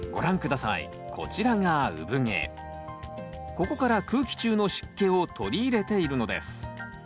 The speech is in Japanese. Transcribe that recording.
ここから空気中の湿気を取り入れているのです。